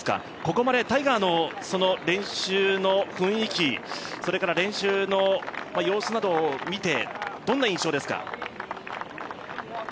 ここまでタイガーの練習の雰囲気それから練習の様子などを見てどんな印象ですか？